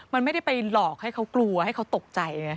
มันไม่ได้ไปหลอกให้เขากลัวให้เขาตกใจไง